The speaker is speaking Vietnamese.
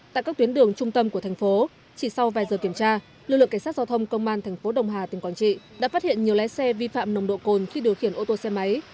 tại các tuyến đường trung tâm của thành phố chỉ sau vài giờ kiểm tra lực lượng cảnh sát giao thông công an thành phố đồng hà tỉnh quảng trị đã phát hiện nhiều lái xe vi phạm nồng độ cồn khi điều khiển ô tô xe máy